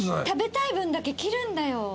食べたい分だけ切るんだよ。